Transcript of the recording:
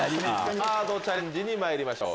サードチャレンジにまいりましょう。